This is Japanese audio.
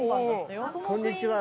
こんにちは。